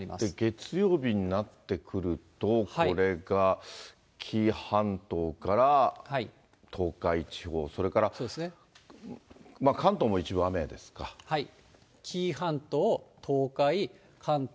月曜日になってくるとこれが紀伊半島から東海地方、紀伊半島、東海、関東。